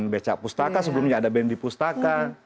beca pustaka sebelumnya ada bnd pustaka